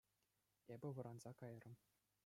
Эпӗ вӑранса кайрӑм.